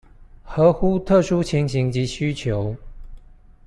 合乎特殊情形及需求